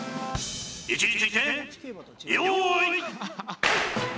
「位置について用意」